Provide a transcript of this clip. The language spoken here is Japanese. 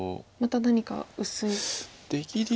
また何か薄いですか。